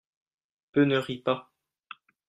Peu ne rient pas.